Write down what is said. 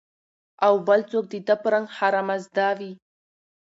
او بل څوک د ده په رنګ حرامزاده وي